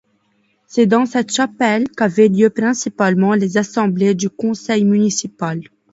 C’est dans cette chapelle qu’avaient lieu principalement les assemblées du conseil municipal.